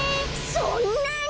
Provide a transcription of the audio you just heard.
そんなに！？